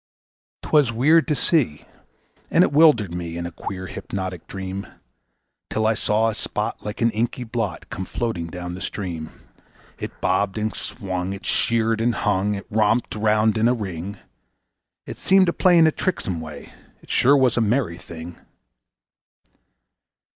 'Twas weird to see and it 'wildered me in a queer, hypnotic dream, Till I saw a spot like an inky blot come floating down the stream; It bobbed and swung; it sheered and hung; it romped round in a ring; It seemed to play in a tricksome way; it sure was a merry thing.